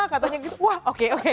katanya gitu wah oke oke